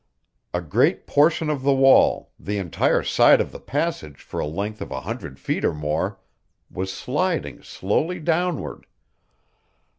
A great portion of the wall, the entire side of the passage for a length of a hundred feet or more, was sliding slowly downward.